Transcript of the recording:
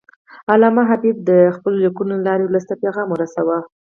علامه حبیبي د خپلو لیکنو له لارې ولس ته پیغام ورساوه.